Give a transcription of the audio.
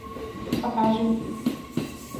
Па кажи ми.